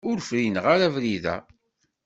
Ur frineɣ ara abrid-a.